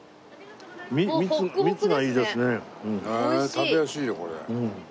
食べやすいよこれ。